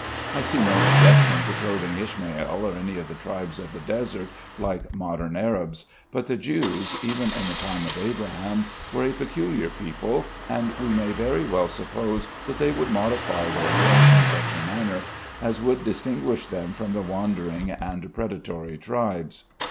I see no objection to clothing Ishmael or any of the tribes of the desert like modern Arabs; but the Jews, even in the time of Abraham, were a peculiar people, and we may very well suppose that they would modify their dress in such a manner as would distinguish them from the wandering and predatory tribes.